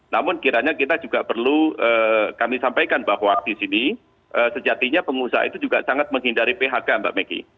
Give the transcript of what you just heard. namun kiranya kita juga perlu kami sampaikan bahwa di sini sejatinya pengusaha itu juga sangat menghindari phk mbak meki